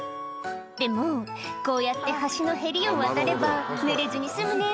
「でもこうやって橋のへりを渡ればぬれずに済むね」